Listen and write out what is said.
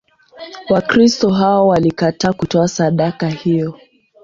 Wakristo hao walikataa kutoa sadaka hiyo.